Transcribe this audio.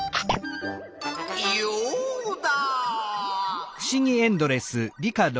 ヨウダ！